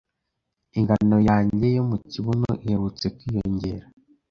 Ingano yanjye yo mu kibuno iherutse kwiyongera.